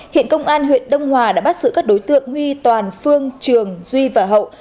hiện công an huyện đông hòa đã bắt giữ các đối tượng huy toàn phương trường duy và hậu